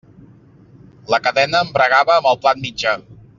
La cadena embragava amb el plat mitjà.